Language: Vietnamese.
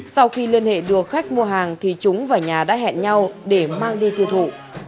sau khi liên hệ được khách mua hàng thì chúng và nhà đã hẹn nhau để mang đi tiêu thụ